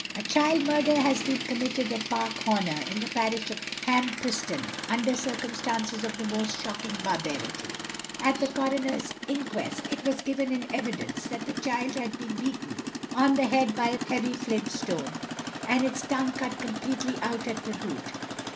A child murder has been committed at Park Horner, in the parish of Hampreston, under circumstances of the most shocking barbarity. At the Coroner's inquest it was given in evidence that the child had been beaten on the head with a heavy flint stone, and its tongue cut completely out at the root.